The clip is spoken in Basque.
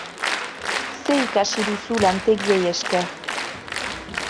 Zer ikasi duzu lantegiei esker?